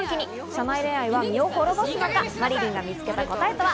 社内恋愛は身を滅ぼすのか、マリリンが見つけた答えとは？